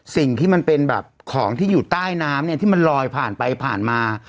สิ่งที่มันเป็นแบบของที่อยู่ใต้น้ำเนี่ยที่มันลอยผ่านไปผ่านมา